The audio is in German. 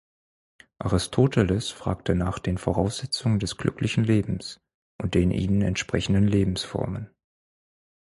Aristoteles fragt nach den Voraussetzungen des glücklichen Lebens und den ihnen entsprechenden Lebensformen.